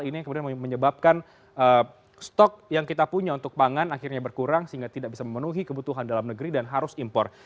ini yang kemudian menyebabkan stok yang kita punya untuk pangan akhirnya berkurang sehingga tidak bisa memenuhi kebutuhan dalam negeri dan harus impor